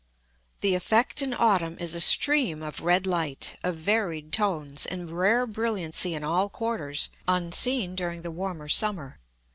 The effect in autumn is a stream of red light, of varied tones, and rare brilliancy in all quarters, unseen during the warmer summer.